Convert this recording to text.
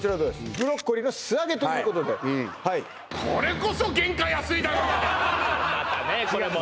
ブロッコリーの素揚げということではいまたねこれもね